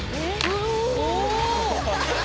お！